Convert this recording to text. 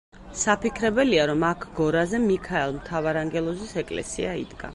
საფიქრებელია, რომ აქ გორაზე მიქაელ მთავარანგელოზის ეკლესია იდგა.